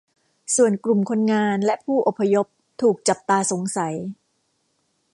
ส่วนกลุ่มคนงานและผู้อพยพถูกจับตาสงสัย